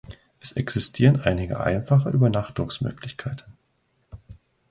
Es existieren einige einfache Übernachtungsmöglichkeiten.